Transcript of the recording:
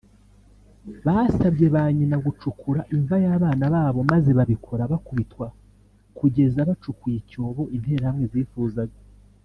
Basabye ba nyina gucukura imva y’abana babo maze babikora bakubitwa kugeza bacukuye icyobo Interahamwe zifuzaga